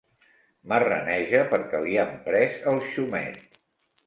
Marraneja perquè li han pres el xumet.